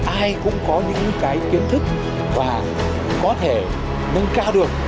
ai cũng có những cái kiến thức và có thể nâng cao được